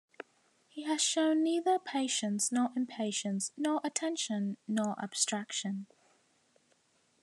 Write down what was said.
He has shown neither patience nor impatience, nor attention nor abstraction.